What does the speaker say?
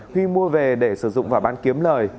huy mua về để sử dụng và bán kiếm lời